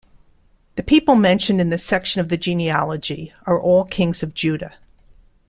The people mentioned in this section of the genealogy are all Kings of Judah.